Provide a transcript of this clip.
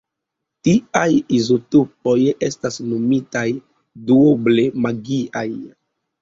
Tiaj izotopoj estas nomitaj "duoble magiaj".